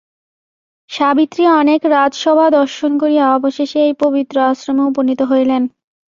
সাবিত্রী অনেক রাজসভা দর্শন করিয়া অবশেষে এই পবিত্র আশ্রমে উপনীত হইলেন।